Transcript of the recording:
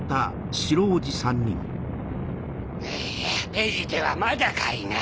ペジテはまだかいな。